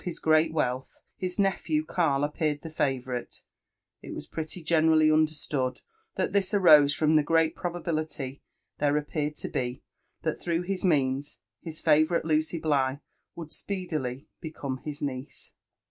his great wealth, his nephew Karl appeared the favou rite, it was pretty generally understood that this arose fron^ the great probability there appeared to be, that, through his means, his favourite Lucy Bligh would speedily become his niece.